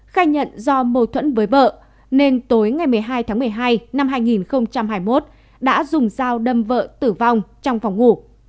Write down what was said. khai nhận do mâu thuẫn với vợ nên tối ngày một mươi hai tháng một mươi hai năm hai nghìn hai mươi một đã dùng dao đâm vợ tử vong trong phòng ngủ